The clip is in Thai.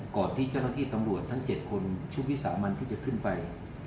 ก่อนที่เจ้าหน้าที่ตำรวจทั้ง๗คนชุดวิสามันที่จะขึ้นไป